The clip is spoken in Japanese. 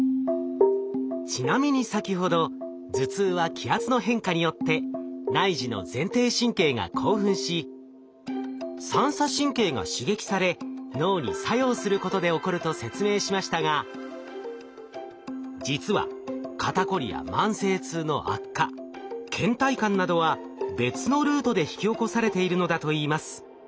ちなみに先ほど頭痛は気圧の変化によって内耳の前庭神経が興奮し三叉神経が刺激され脳に作用することで起こると説明しましたが実は肩こりや慢性痛の悪化けん怠感などは別のルートで引き起こされているのだといいます。